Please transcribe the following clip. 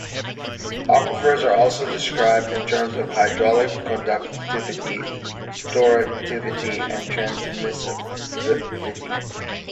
Aquifers are also described in terms of hydraulic conductivity, storativity and transmissivity.